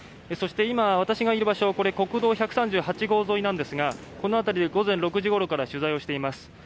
そして今、私がいる場所は国道１３８号沿いなんですがこの辺りで午前６時ごろから取材をしています。